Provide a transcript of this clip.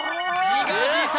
自画自賛